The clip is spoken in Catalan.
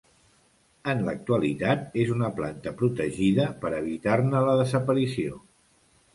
En l'actualitat és una planta protegida per evitar-ne la desaparició.